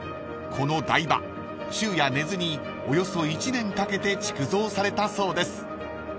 ［この台場昼夜寝ずにおよそ１年かけて築造されたそうです］